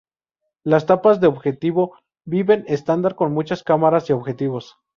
Las tapas de objetivo vienen estándar con muchas cámaras y objetivos.